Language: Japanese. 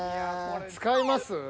使います？